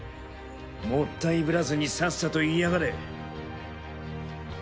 もったいぶらずにさっさと言いやがれ。